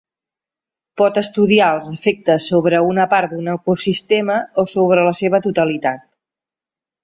Pot estudiar els efectes sobre una part d'un ecosistema o sobre la seva totalitat.